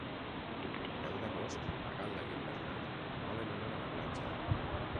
El deu d'agost na Gal·la i en Bernat volen anar a la platja.